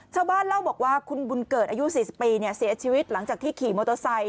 ชาวบ้านเล่าบอกว่าคุณบุญเกิดอายุ๔๐ปีเสียชีวิตหลังจากที่ขี่มอเตอร์ไซค